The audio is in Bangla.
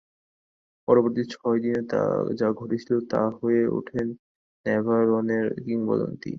পরবর্তী ছয় দিনে যা ঘটেছিল তা হয়ে ওঠে ন্যাভারোনের কিংবদন্তি।